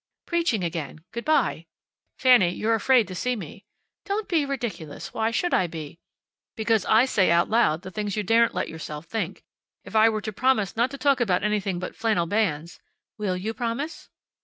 "Preaching again. Good by." "Fanny, you're afraid to see me." "Don't be ridiculous. Why should I be?" "Because I say aloud the things you daren't let yourself think. If I were to promise not to talk about anything but flannel bands " "Will you promise?"